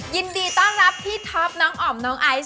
ยินดีต้อนรับพี่ท็อปน้องอ๋อมน้องไอซ์